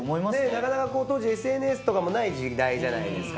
なかなか当時ＳＮＳとかもない時代じゃないですか。